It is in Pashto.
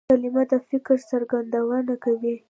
کلیمه د فکر څرګندونه کوي.